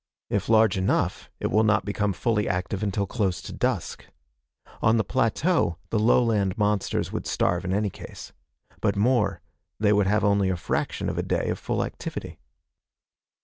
If large enough, it will not become fully active until close to dusk. On the plateau, the lowland monsters would starve in any case. But more they would have only a fraction of a day of full activity.